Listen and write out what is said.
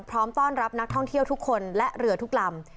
พร้อมต้อนรับนักท่องเที่ยวทุกคนและเรือทุกลำ